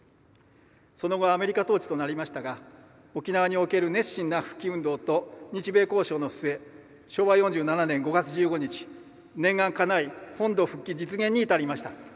その後アメリカ統治となりましたが沖縄における熱心な復帰運動と日米交渉の末昭和４７年５月１５日念願かない本土復帰実現に至りました。